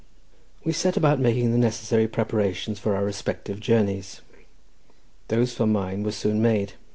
We set about making the necessary preparations for our respective journeys. Those for mine were soon made.